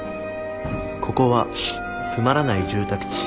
ここはつまらない住宅地。